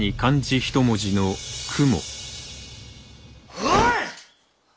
おい！